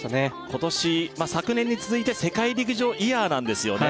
今年まあ昨年に続いて世界陸上イヤーなんですよね